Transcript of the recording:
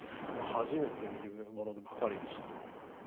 初めて見るものばかりでした。